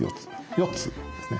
４つですね。